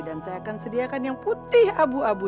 dan saya akan sediakan yang putih abu abu